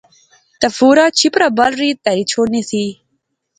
تہ فورا چھپرا بل ری تہری شوڑنی سی